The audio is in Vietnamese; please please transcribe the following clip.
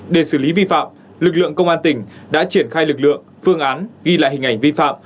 để xử lý vi phạm lực lượng công an tỉnh đã triển khai lực lượng phương án ghi lại hình ảnh vi phạm